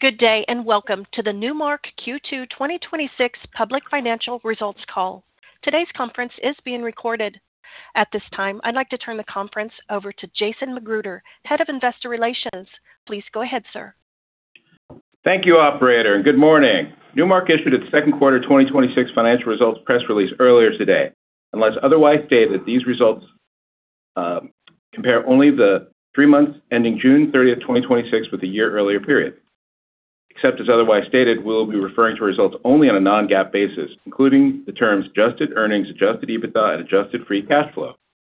Good day, and welcome to the Newmark Q2 2026 public financial results call. Today's conference is being recorded. At this time, I'd like to turn the conference over to Jason McGruder, Head of Investor Relations. Please go ahead, sir. Thank you, operator, good morning. Newmark issued its second quarter 2026 financial results press release earlier today. Unless otherwise stated, these results compare only the three months ending June 30th, 2026, with the year earlier period. Except as otherwise stated, we'll be referring to results only on a non-GAAP basis, including the terms Adjusted Earnings, Adjusted EBITDA, and Adjusted Free Cash Flow.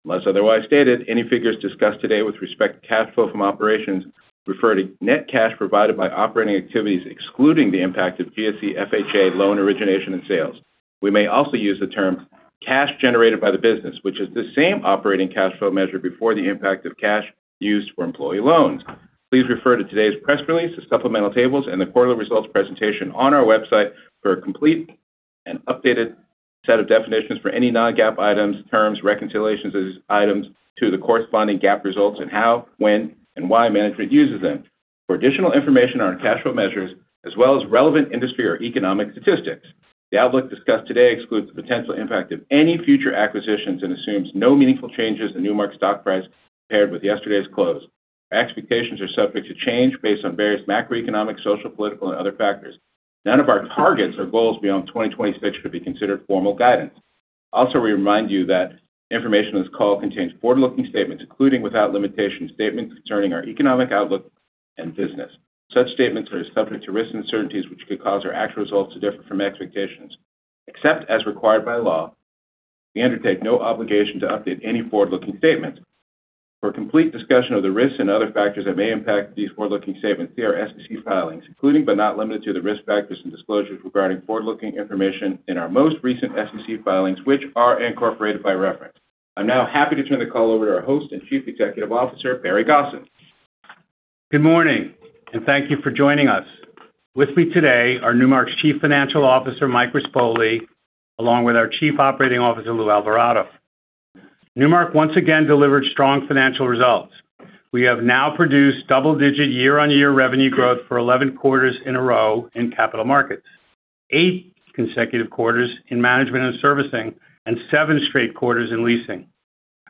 Unless otherwise stated, any figures discussed today with respect to cash flow from operations refer to net cash provided by operating activities excluding the impact of GSE FHA loan origination and sales. We may also use the term cash generated by the business, which is the same operating cash flow measure before the impact of cash used for employee loans. Please refer to today's press release, the supplemental tables, and the quarterly results presentation on our website for a complete and updated set of definitions for any non-GAAP items, terms, reconciliations as items to the corresponding GAAP results and how, when, and why management uses them. For additional information on our cash flow measures, as well as relevant industry or economic statistics. The outlook discussed today excludes the potential impact of any future acquisitions and assumes no meaningful changes in Newmark's stock price compared with yesterday's close. Our expectations are subject to change based on various macroeconomic, social, political, and other factors. None of our targets or goals beyond 2026 should be considered formal guidance. We remind you that information on this call contains forward-looking statements, including without limitation, statements concerning our economic outlook and business. Such statements are subject to risks and uncertainties which could cause our actual results to differ from expectations. Except as required by law, we undertake no obligation to update any forward-looking statements. For a complete discussion of the risks and other factors that may impact these forward-looking statements, see our SEC filings, including but not limited to the risk factors and disclosures regarding forward-looking information in our most recent SEC filings, which are incorporated by reference. I'm now happy to turn the call over to our host and Chief Executive Officer, Barry Gosin. Good morning, and thank you for joining us. With me today are Newmark's Chief Financial Officer, Michael Rispoli, along with our Chief Operating Officer, Lou Alvarado. Newmark once again delivered strong financial results. We have now produced double-digit year-on-year revenue growth for 11 quarters in a row in Capital Markets, eight consecutive quarters in management and servicing, and seven straight quarters in leasing.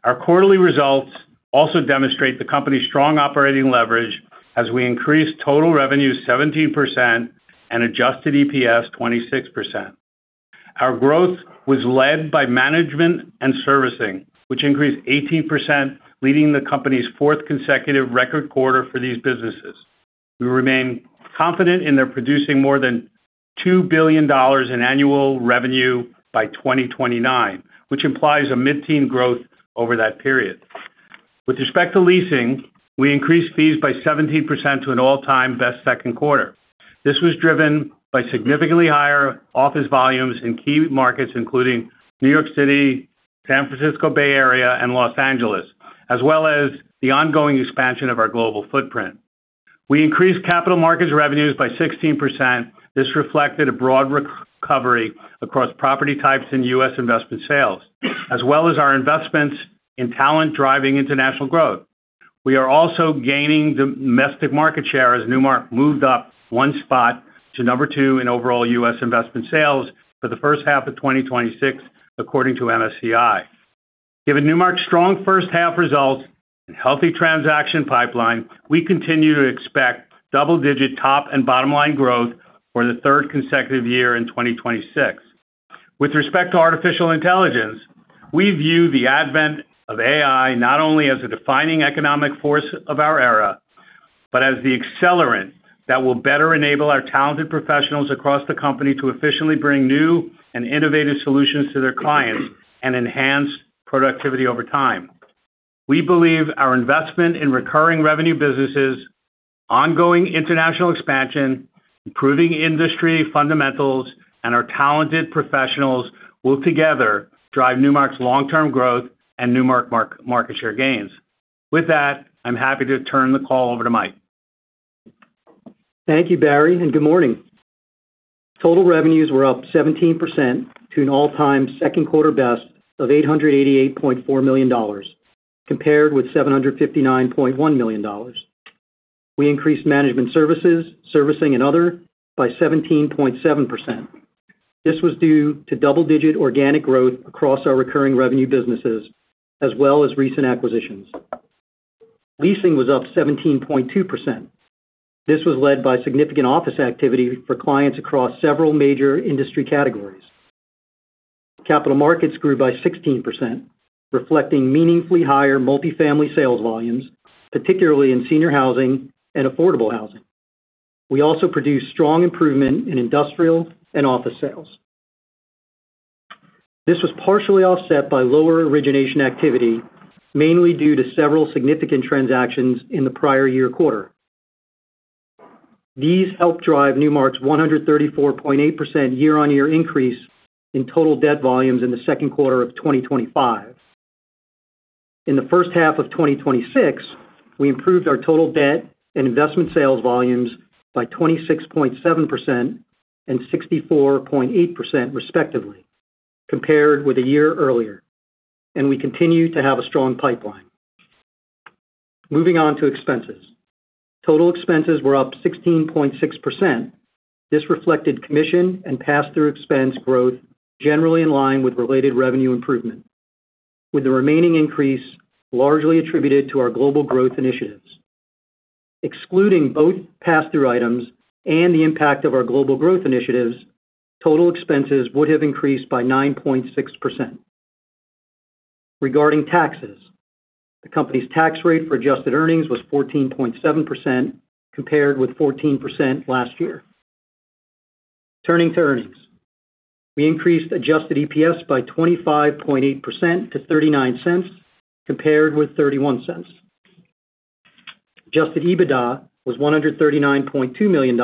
Our quarterly results also demonstrate the company's strong operating leverage as we increased total revenue 17% and Adjusted EPS 26%. Our growth was led by management and servicing, which increased 18%, leading the company's fourth consecutive record quarter for these businesses. We remain confident in their producing more than $2 billion in annual revenue by 2029, which implies a mid-teen growth over that period. With respect to leasing, we increased fees by 17% to an all-time best second quarter. This was driven by significantly higher office volumes in key markets including New York City, San Francisco Bay Area, and Los Angeles, as well as the ongoing expansion of our global footprint. We increased Capital Markets revenues by 16%. This reflected a broad recovery across property types in U.S. investment sales, as well as our investments in talent driving international growth. We are also gaining domestic market share as Newmark moved up one spot to number two in overall U.S. investment sales for the first half of 2026, according to MSCI. Given Newmark's strong first half results and healthy transaction pipeline, we continue to expect double-digit top and bottom-line growth for the third consecutive year in 2026. With respect to artificial intelligence, we view the advent of AI not only as a defining economic force of our era, but as the accelerant that will better enable our talented professionals across the company to efficiently bring new and innovative solutions to their clients and enhance productivity over time. We believe our investment in recurring revenue businesses, ongoing international expansion, improving industry fundamentals, and our talented professionals will together drive Newmark's long-term growth and Newmark market share gains. With that, I'm happy to turn the call over to Mike. Thank you, Barry, and good morning. Total revenues were up 17% to an all-time second quarter best of $888.4 million, compared with $759.1 million. We increased management services, servicing, and other by 17.7%. This was due to double-digit organic growth across our recurring revenue businesses, as well as recent acquisitions. Leasing was up 17.2%. This was led by significant office activity for clients across several major industry categories. Capital Markets grew by 16%, reflecting meaningfully higher multifamily sales volumes, particularly in senior housing and affordable housing. We also produced strong improvement in industrial and office sales. This was partially offset by lower origination activity, mainly due to several significant transactions in the prior year quarter. These helped drive Newmark's 134.8% year-on-year increase in total debt volumes in the second quarter of 2025. In the first half of 2026, we improved our total debt and investment sales volumes by 26.7% and 64.8% respectively, compared with a year earlier. We continue to have a strong pipeline. Moving on to expenses. Total expenses were up 16.6%. This reflected commission and pass-through expense growth generally in line with related revenue improvement, with the remaining increase largely attributed to our global growth initiatives. Excluding both pass-through items and the impact of our global growth initiatives, total expenses would have increased by 9.6%. Regarding taxes, the company's tax rate for Adjusted Earnings was 14.7%, compared with 14% last year. Turning to earnings, we increased Adjusted EPS by 25.8% to $0.39, compared with $0.31. Adjusted EBITDA was $139.2 million,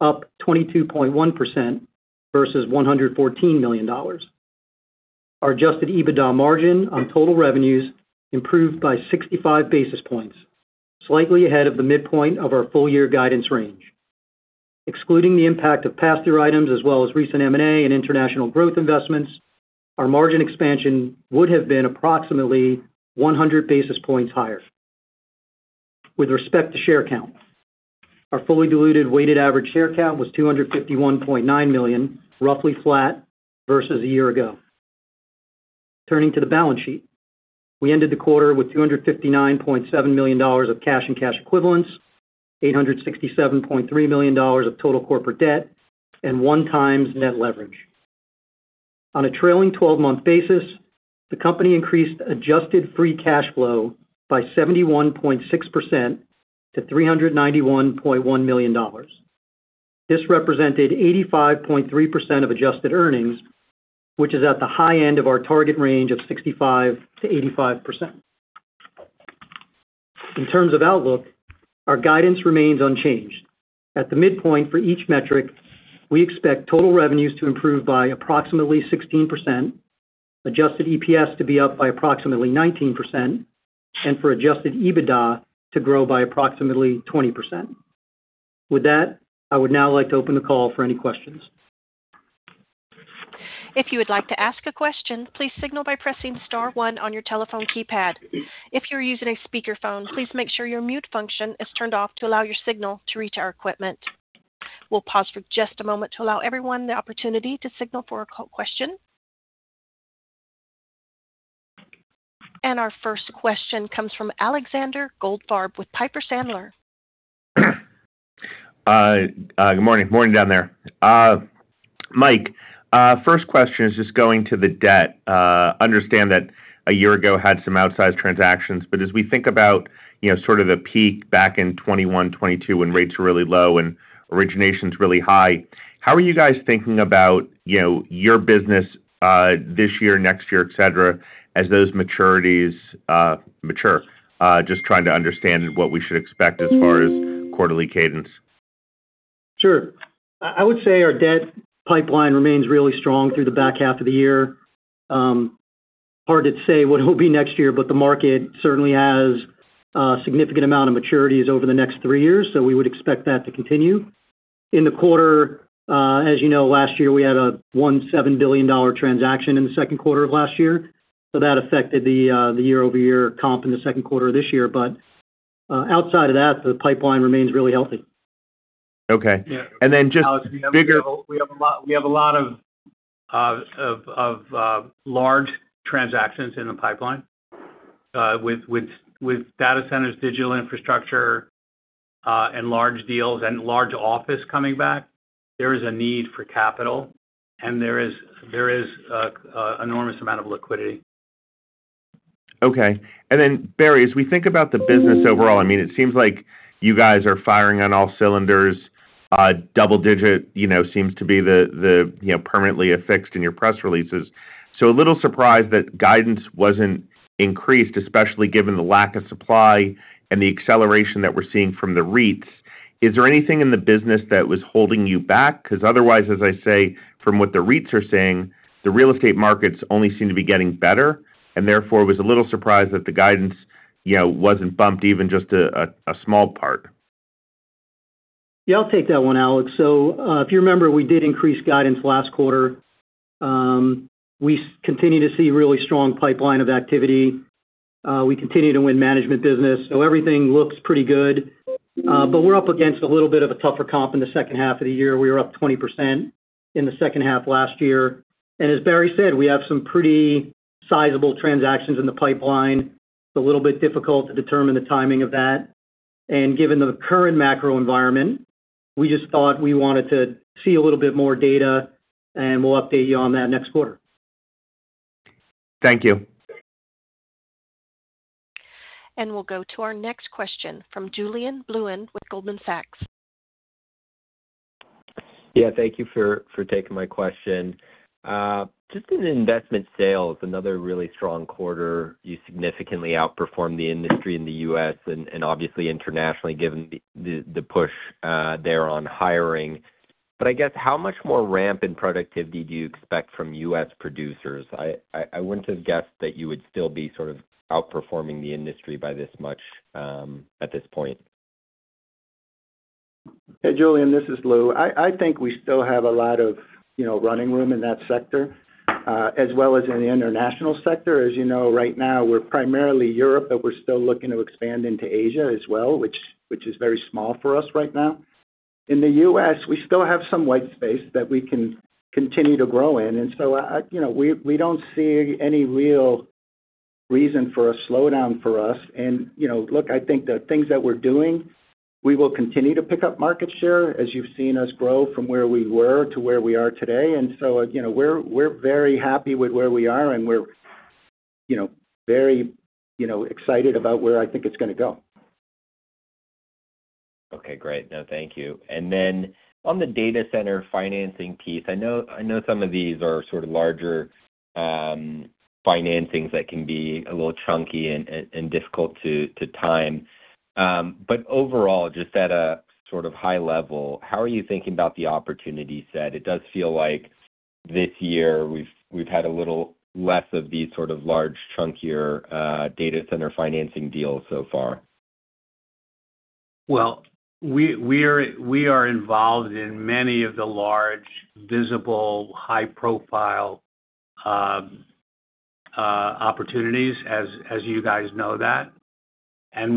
up 22.1% versus $114 million. Our Adjusted EBITDA margin on total revenues improved by 65 basis points, slightly ahead of the midpoint of our full-year guidance range. Excluding the impact of pass-through items as well as recent M&A and international growth investments, our margin expansion would have been approximately 100 basis points higher. With respect to share count, our fully diluted weighted average share count was 251.9 million, roughly flat versus a year ago. Turning to the balance sheet, we ended the quarter with $259.7 million of cash and cash equivalents, $867.3 million of total corporate debt, and one times net leverage. On a trailing 12-month basis, the company increased Adjusted Free Cash Flow by 71.6% to $391.1 million. This represented 85.3% of Adjusted Earnings, which is at the high end of our target range of 65%-85%. In terms of outlook, our guidance remains unchanged. At the midpoint for each metric, we expect total revenues to improve by approximately 16%, Adjusted EPS to be up by approximately 19%, and for Adjusted EBITDA to grow by approximately 20%. I would now like to open the call for any questions. If you would like to ask a question, please signal by pressing star one on your telephone keypad. If you're using a speakerphone, please make sure your mute function is turned off to allow your signal to reach our equipment. We'll pause for just a moment to allow everyone the opportunity to signal for a question. Our first question comes from Alexander Goldfarb with Piper Sandler. Good morning. Morning down there. Mike, first question is just going to the debt. Understand that a year ago had some outsized transactions. As we think about sort of the peak back in 2021, 2022, when rates were really low and originations really high, how are you guys thinking about your business this year, next year, et cetera, as those maturities mature? Just trying to understand what we should expect as far as quarterly cadence. Sure. I would say our debt pipeline remains really strong through the back half of the year. Hard to say what it'll be next year, the market certainly has a significant amount of maturities over the next three years, we would expect that to continue. In the quarter, as you know, last year, we had one $7 billion transaction in the second quarter of last year. That affected the year-over-year comp in the second quarter of this year. Outside of that, the pipeline remains really healthy. Okay. Alex, we have a lot of large transactions in the pipeline. With data centers, digital infrastructure, and large deals and large office coming back, there is a need for capital and there is enormous amount of liquidity. Barry, as we think about the business overall, it seems like you guys are firing on all cylinders. Double-digit seems to be permanently affixed in your press releases. A little surprised that guidance wasn't increased, especially given the lack of supply and the acceleration that we're seeing from the REITs. Is there anything in the business that was holding you back? Otherwise, as I say, from what the REITs are saying, the real estate markets only seem to be getting better, therefore was a little surprised that the guidance wasn't bumped even just a small part. Yeah, I'll take that one, Alex. If you remember, we did increase guidance last quarter. We continue to see really strong pipeline of activity. We continue to win management business. Everything looks pretty good, but we're up against a little bit of a tougher comp in the second half of the year. We were up 20% in the second half last year. As Barry said, we have some pretty sizable transactions in the pipeline. It's a little bit difficult to determine the timing of that. Given the current macro environment, we just thought we wanted to see a little bit more data, we'll update you on that next quarter. Thank you. We'll go to our next question from Julien Blouin with Goldman Sachs. Thank you for taking my question. Just in investment sales, another really strong quarter. You significantly outperformed the industry in the U.S. and obviously internationally given the push there on hiring. I guess how much more ramp in productivity do you expect from U.S. producers? I wouldn't have guessed that you would still be sort of outperforming the industry by this much at this point. Hey, Julien, this is Lou. I think we still have a lot of running room in that sector, as well as in the international sector. As you know, right now we're primarily Europe, but we're still looking to expand into Asia as well, which is very small for us right now. In the U.S., we still have some white space that we can continue to grow in, so we don't see any real reason for a slowdown for us. Look, I think the things that we're doing, we will continue to pick up market share, as you've seen us grow from where we were to where we are today. We're very happy with where we are, and we're very excited about where I think it's going to go. Okay, great. No, thank you. On the data center financing piece, I know some of these are sort of larger financings that can be a little chunky and difficult to time. Overall, just at a sort of high level, how are you thinking about the opportunity set? It does feel like this year we've had a little less of these sort of large, chunkier data center financing deals so far. We are involved in many of the large, visible, high-profile opportunities, as you guys know that.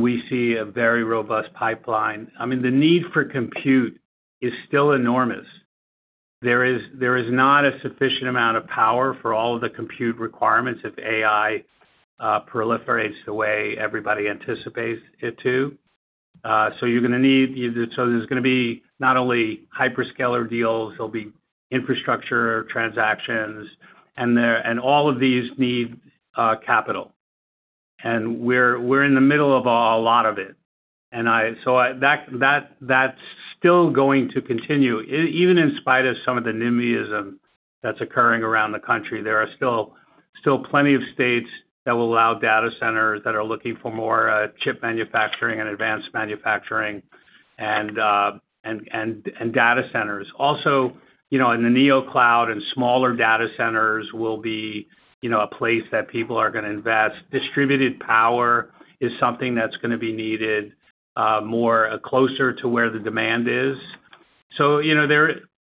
We see a very robust pipeline. I mean, the need for compute is still enormous. There is not a sufficient amount of power for all of the compute requirements if AI proliferates the way everybody anticipates it to. There's going to be not only hyperscaler deals. There'll be infrastructure transactions, and all of these need capital. We're in the middle of a lot of it. That's still going to continue. Even in spite of some of the NIMBYism that's occurring around the country, there are still plenty of states that will allow data centers that are looking for more chip manufacturing and advanced manufacturing, and data centers. Also, in the neo cloud and smaller data centers will be a place that people are going to invest. Distributed power is something that's going to be needed more closer to where the demand is.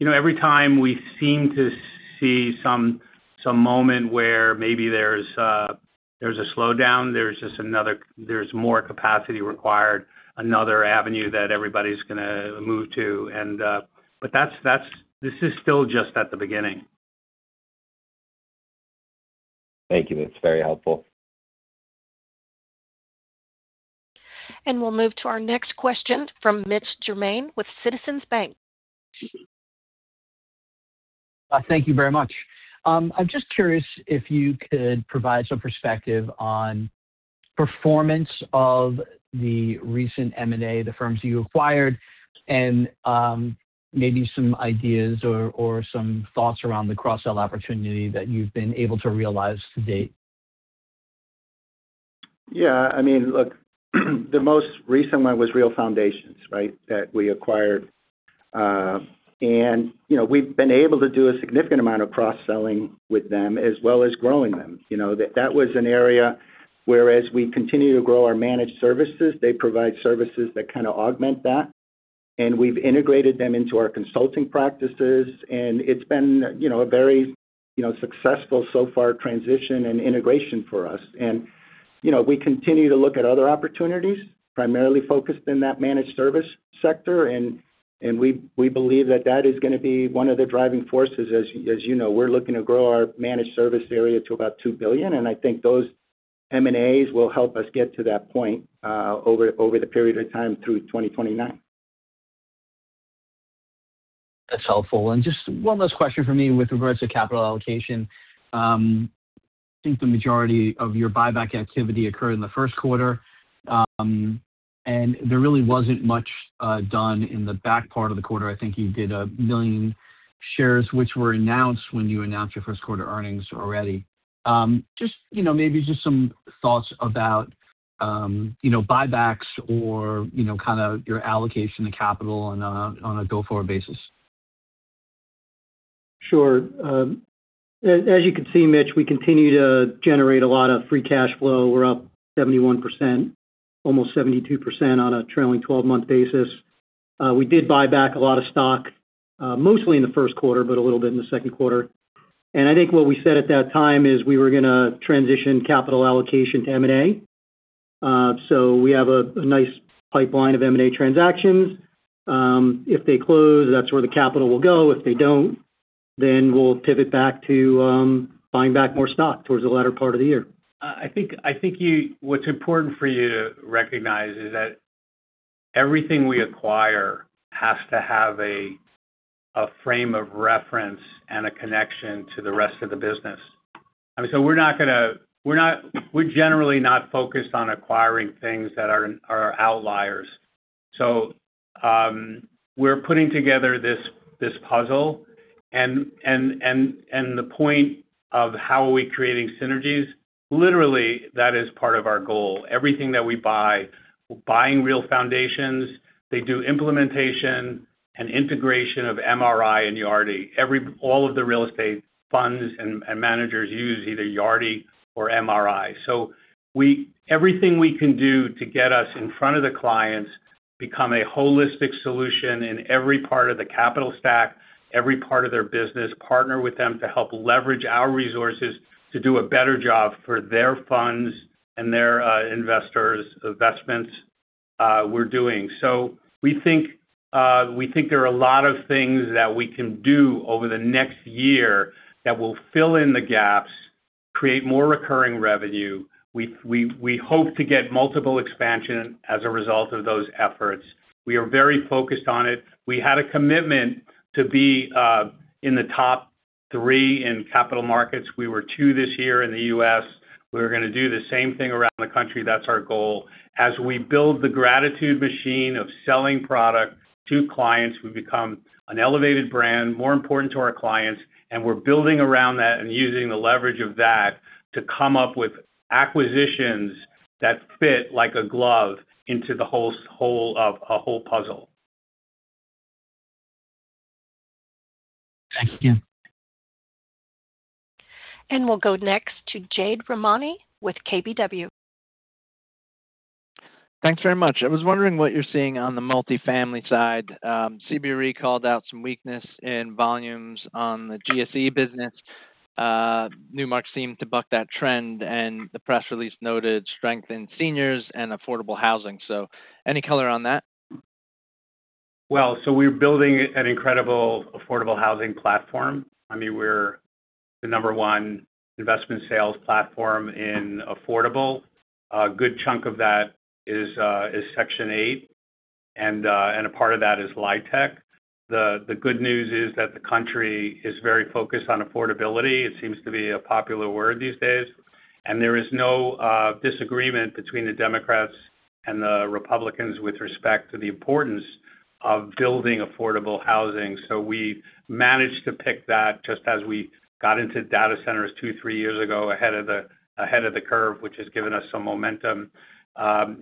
Every time we seem to see some moment where maybe there's a slowdown, there's more capacity required, another avenue that everybody's going to move to. This is still just at the beginning. Thank you. That's very helpful. We'll move to our next question from Mitch Germain with Citizens Bank. Thank you very much. I'm just curious if you could provide some perspective on performance of the recent M&A, the firms you acquired, and maybe some ideas or some thoughts around the cross-sell opportunity that you've been able to realize to date. Yeah. Look, the most recent one was RealFoundations that we acquired. We've been able to do a significant amount of cross-selling with them, as well as growing them. That was an area where as we continue to grow our managed services, they provide services that kind of augment that, we've integrated them into our consulting practices, and it's been a very successful, so far, transition and integration for us. We continue to look at other opportunities, primarily focused in that managed service sector. We believe that that is going to be one of the driving forces. As you know, we're looking to grow our managed service area to about $2 billion, and I think those M&As will help us get to that point over the period of time through 2029. That's helpful. Just one last question from me with regards to capital allocation. I think the majority of your buyback activity occurred in the first quarter, there really wasn't much done in the back part of the quarter. I think you did 1 million shares, which were announced when you announced your first quarter earnings already. Maybe just some thoughts about buybacks or kind of your allocation to capital on a go-forward basis. Sure. As you can see, Mitch, we continue to generate a lot of free cash flow. We're up 71%, almost 72% on a trailing 12-month basis. We did buy back a lot of stock, mostly in the first quarter, but a little bit in the second quarter. I think what we said at that time is we were going to transition capital allocation to M&A. We have a nice pipeline of M&A transactions. If they close, that's where the capital will go. If they don't, we'll pivot back to buying back more stock towards the latter part of the year. I think what's important for you to recognize is that everything we acquire has to have a frame of reference and a connection to the rest of the business. I mean, we're generally not focused on acquiring things that are outliers. We're putting together this puzzle, the point of how are we creating synergies, literally, that is part of our goal. Everything that we buy. Buying RealFoundations, they do implementation and integration of MRI and Yardi. All of the real estate funds and managers use either Yardi or MRI. Everything we can do to get us in front of the clients Become a holistic solution in every part of the capital stack, every part of their business, partner with them to help leverage our resources to do a better job for their funds and their investors' investments we're doing. We think there are a lot of things that we can do over the next year that will fill in the gaps, create more recurring revenue. We hope to get multiple expansion as a result of those efforts. We are very focused on it. We had a commitment to be in the top three in Capital Markets. We were two this year in the U.S. We're going to do the same thing around the country. That's our goal. As we build the gratitude machine of selling product to clients, we become an elevated brand, more important to our clients, and we're building around that and using the leverage of that to come up with acquisitions that fit like a glove into the whole puzzle. Thank you. We'll go next to Jade Rahmani with KBW. Thanks very much. I was wondering what you're seeing on the multifamily side. CBRE called out some weakness in volumes on the GSE business. Newmark seemed to buck that trend, and the press release noted strength in seniors and affordable housing. Any color on that? We're building an incredible affordable housing platform. We're the number one investment sales platform in affordable. A good chunk of that is Section 8, and a part of that is LIHTC. The good news is that the country is very focused on affordability. It seems to be a popular word these days, and there is no disagreement between the Democrats and the Republicans with respect to the importance of building affordable housing. We managed to pick that just as we got into data centers two, three years ago ahead of the curve, which has given us some momentum.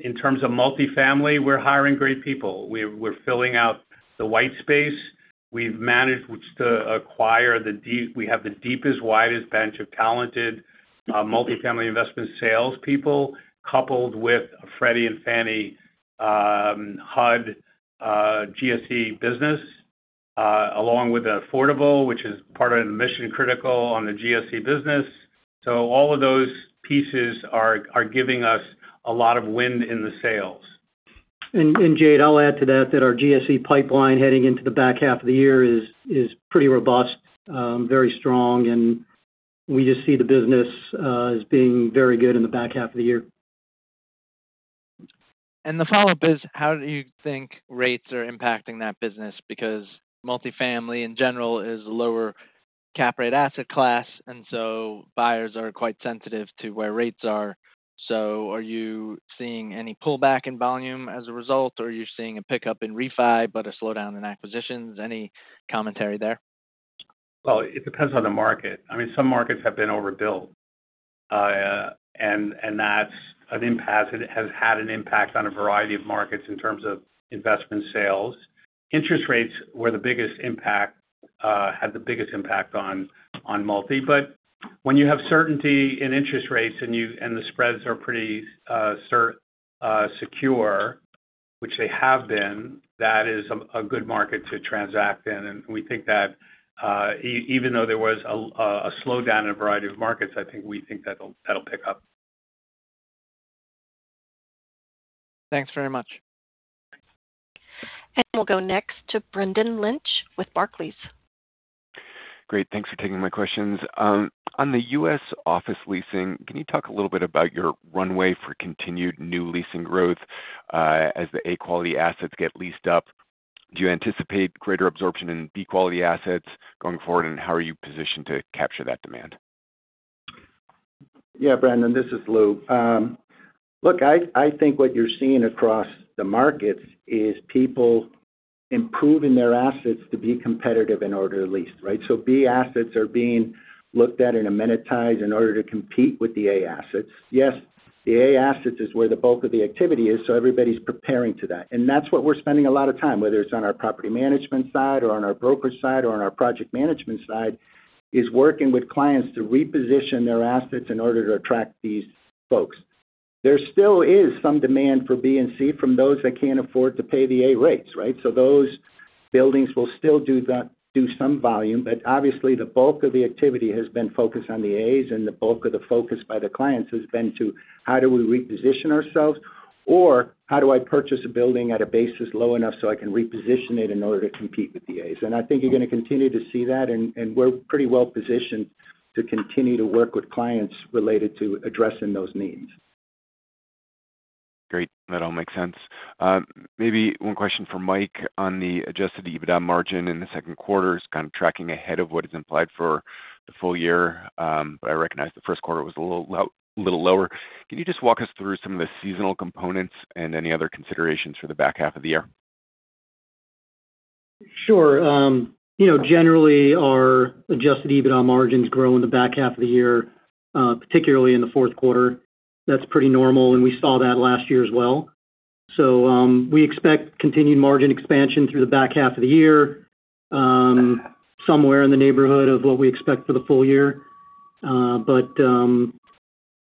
In terms of multifamily, we're hiring great people. We're filling out the white space. We have the deepest, widest bench of talented multifamily investment salespeople, coupled with Freddie and Fannie HUD GSE business, along with affordable, which is part of mission critical on the GSE business. All of those pieces are giving us a lot of wind in the sails. Jade, I'll add to that our GSE pipeline heading into the back half of the year is pretty robust, very strong, and we just see the business as being very good in the back half of the year. The follow-up is, how do you think rates are impacting that business? Because multifamily in general is a lower cap rate asset class, and so buyers are quite sensitive to where rates are. So are you seeing any pullback in volume as a result, or are you seeing a pickup in refi, but a slowdown in acquisitions? Any commentary there? Well, it depends on the market. Some markets have been overbuilt, and that has had an impact on a variety of markets in terms of investment sales. Interest rates had the biggest impact on multi. When you have certainty in interest rates and the spreads are pretty secure, which they have been, that is a good market to transact in. We think that even though there was a slowdown in a variety of markets, I think we think that'll pick up. Thanks very much. We'll go next to Brendan Lynch with Barclays. Great. Thanks for taking my questions. On the U.S. office leasing, can you talk a little bit about your runway for continued new leasing growth as the A-quality assets get leased up? Do you anticipate greater absorption in B-quality assets going forward, and how are you positioned to capture that demand? Brendan, this is Lou. I think what you're seeing across the markets is people improving their assets to be competitive in order to lease, right? B assets are being looked at and amenitized in order to compete with the A assets. Yes, the A assets is where the bulk of the activity is, everybody's preparing to that. That's what we're spending a lot of time, whether it's on our property management side or on our broker side or on our project management side, is working with clients to reposition their assets in order to attract these folks. There still is some demand for B and C from those that can't afford to pay the A rates, right? Those buildings will still do some volume, obviously the bulk of the activity has been focused on the As, the bulk of the focus by the clients has been to how do we reposition ourselves, or how do I purchase a building at a basis low enough so I can reposition it in order to compete with the As? I think you're going to continue to see that, we're pretty well positioned to continue to work with clients related to addressing those needs. Great. That all makes sense. Maybe one question for Mike on the Adjusted EBITDA margin in the second quarter is kind of tracking ahead of what is implied for the full-year. I recognize the first quarter was a little lower. Can you just walk us through some of the seasonal components and any other considerations for the back half of the year? Sure. Generally, our Adjusted EBITDA margins grow in the back half of the year, particularly in the fourth quarter. That's pretty normal, we saw that last year as well. We expect continued margin expansion through the back half of the year, somewhere in the neighborhood of what we expect for the full-year.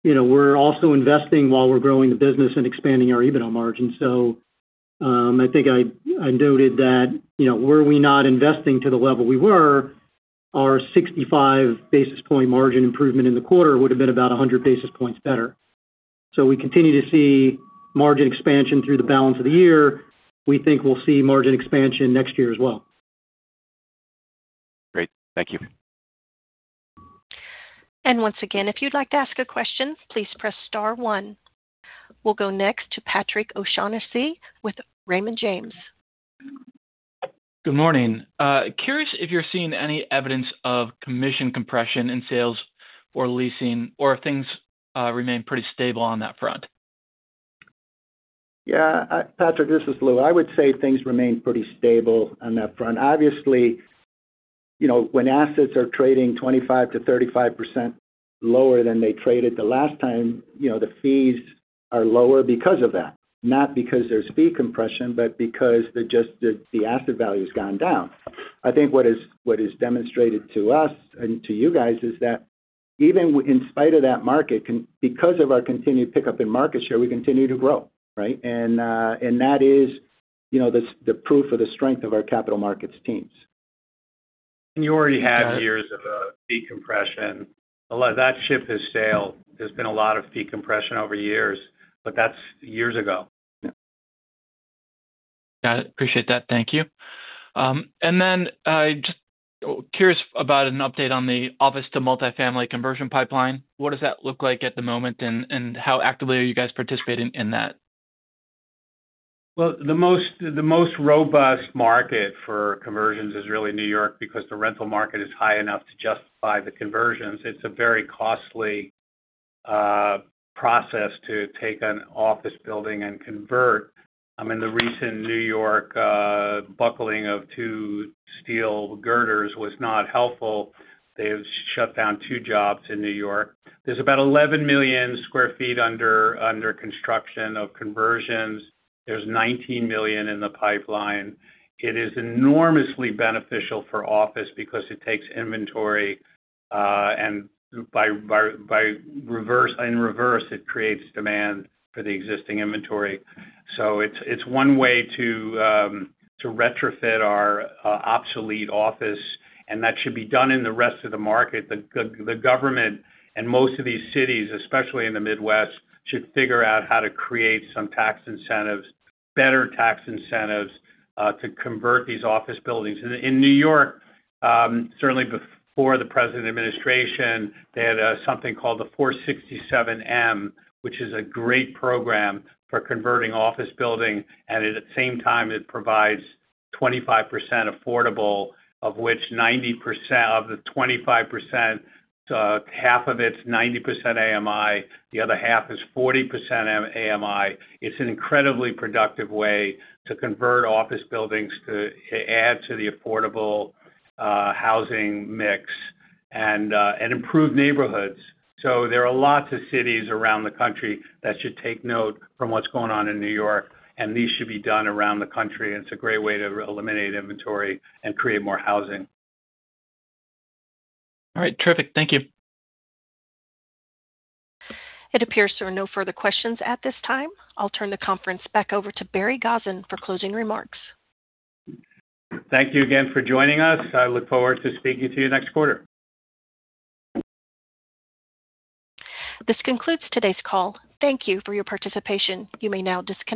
We're also investing while we're growing the business and expanding our EBITDA margin. I think I noted that were we not investing to the level we were, our 65 basis point margin improvement in the quarter would've been about 100 basis points better. We continue to see margin expansion through the balance of the year. We think we'll see margin expansion next year as well. Great. Thank you. Once again, if you'd like to ask a question, please press star one. We'll go next to Patrick O'Shaughnessy with Raymond James. Good morning. Curious if you're seeing any evidence of commission compression in sales or leasing, or if things remain pretty stable on that front. Yeah. Patrick, this is Lou. I would say things remain pretty stable on that front. Obviously, when assets are trading 25%-35% lower than they traded the last time, the fees are lower because of that, not because there's fee compression, but because the asset value's gone down. I think what is demonstrated to us and to you guys is that even in spite of that market, because of our continued pickup in market share, we continue to grow, right? That is the proof of the strength of our Capital Markets teams. You already had years of fee compression. A lot of that ship has sailed. There's been a lot of fee compression over years, but that's years ago. Yeah, appreciate that. Thank you. Just curious about an update on the office to multifamily conversion pipeline. What does that look like at the moment, and how actively are you guys participating in that? Well, the most robust market for conversions is really New York, because the rental market is high enough to justify the conversions. It's a very costly process to take an office building and convert. The recent New York buckling of two steel girders was not helpful. They've shut down two jobs in New York. There's about 11 million sq ft under construction of conversions. There's 19 million in the pipeline. It is enormously beneficial for office because it takes inventory, and in reverse, it creates demand for the existing inventory. It's one way to retrofit our obsolete office, and that should be done in the rest of the market. The government and most of these cities, especially in the Midwest, should figure out how to create some tax incentives, better tax incentives, to convert these office buildings. In New York, certainly before the present administration, they had something called the 467-m, which is a great program for converting office building, and at the same time, it provides 25% affordable, of which 90% of the 25%, half of it's 90% AMI, the other half is 40% AMI. It's an incredibly productive way to convert office buildings to add to the affordable housing mix and improve neighborhoods. There are lots of cities around the country that should take note from what's going on in New York, and these should be done around the country, and it's a great way to eliminate inventory and create more housing. All right. Terrific. Thank you. It appears there are no further questions at this time. I'll turn the conference back over to Barry Gosin for closing remarks. Thank you again for joining us. I look forward to speaking to you next quarter. This concludes today's call. Thank you for your participation. You may now disconnect.